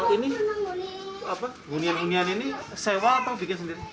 ini gunian gunian ini sewa atau bikin sendiri